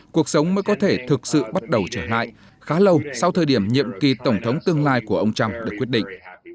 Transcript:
cuộc sống mới có thể thực sự bắt đầu trở lại khá lâu sau thời điểm nhiệm kỳ tổng thống tương lai của ông trump được quyết định